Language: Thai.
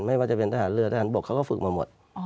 ไม่ว่าจะเป็นทหารเรือทหารบกเขาก็ฝึกมาหมด